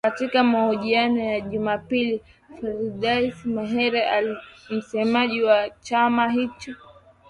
Katika mahojiano ya Jumapili, Fadzayi Mahere, msemaji wa chama hicho